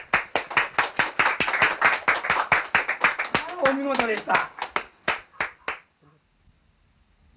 あお見事でした。